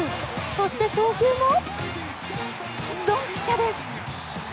そして送球もドンピシャです。